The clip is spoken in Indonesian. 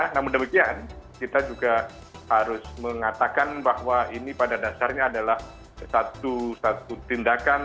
namun demikian kita juga harus mengatakan bahwa ini pada dasarnya adalah satu tindakan